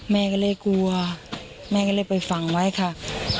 แม่ก็เลยกลัวแม่ก็เลยไปฝังไว้ค่ะ